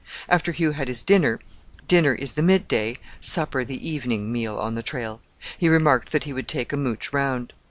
After Hugh had his dinner (dinner is the mid day, supper the evening, meal on the trail) he remarked that he would take a mooch round.